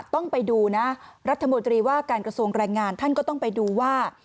ต้องไปดูนะรัฐมนตรีว่าการกระทรวงแรงงานท่านก็ต้องไปดูว่า